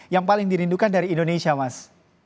yang paling dirindukan dari indonesia mas